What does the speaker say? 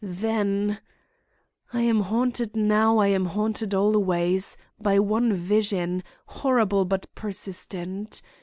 Then— "I am haunted now, I am haunted always, by one vision, horrible but persistent.